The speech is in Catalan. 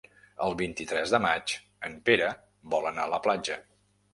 El vint-i-tres de maig en Pere vol anar a la platja.